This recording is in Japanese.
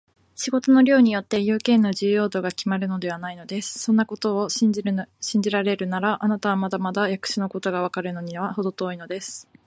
仕事の量によって、用件の重要度がきまるのではないのです。そんなことを信じられるなら、あなたはまだまだ役所のことがわかるのにはほど遠いのです。